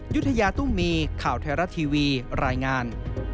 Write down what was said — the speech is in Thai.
ยุธยาตุ้มมีข่าวไทยรัฐทีวีรายงาน